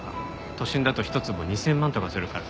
都心だと１坪２０００万とかするから。